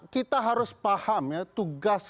kita harus paham ya tugas